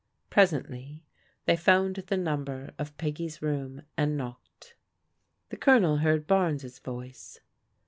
Presently they found the number of Pegg/s room, and knocked. The Colonel heard Barnes* voice.